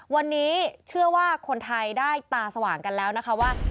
วันนี้เชื่อว่าคนไทยได้ตาสว่างกันแล้วนะคะว่า